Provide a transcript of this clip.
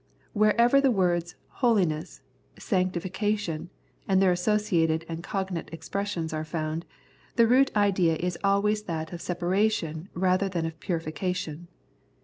Wherever the words " holiness," " sanctifi cation," and their associated and cognate expressions are found, the root idea is always that of separation rather than of purification.